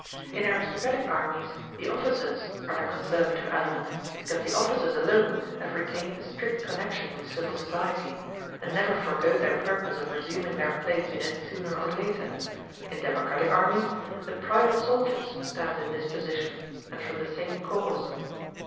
In aristocratic armies the officers are the conservative element, because the officers alone have retained a strict connection with civil society, and never forego their purpose of resuming their place in it sooner or later: in democratic armies the private soldiers stand in this position, and from the same cause.